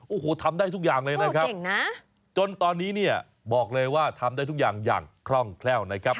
โอ้โหทำได้ทุกอย่างเลยนะครับเก่งนะจนตอนนี้เนี่ยบอกเลยว่าทำได้ทุกอย่างอย่างคล่องแคล่วนะครับ